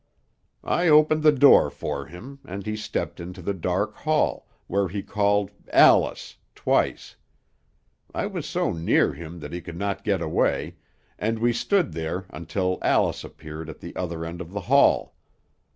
"I opened the door for him, and he stepped into the dark hall, where he called 'Alice!' twice. I was so near him that he could not get away, and we stood there until Alice appeared at the other end of the hall.